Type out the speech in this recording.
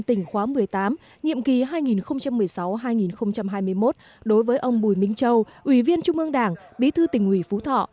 tỉnh khóa một mươi tám nhiệm kỳ hai nghìn một mươi sáu hai nghìn hai mươi một đối với ông bùi minh châu ủy viên trung ương đảng bí thư tỉnh ủy phú thọ